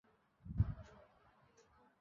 আমি সারা রাত জেগে কাটালাম।